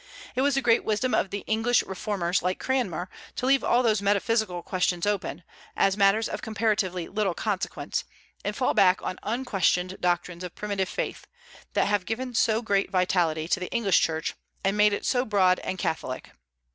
It was the great wisdom of the English reformers, like Cranmer, to leave all those metaphysical questions open, as matters of comparatively little consequence, and fall back on unquestioned doctrines of primitive faith, that have given so great vitality to the English Church, and made it so broad and catholic.